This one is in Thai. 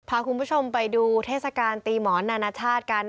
พาคุณผู้ชมไปดูเทศกาลตีหมอนนานาชาติกัน